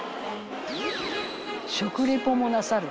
「食リポもなさる」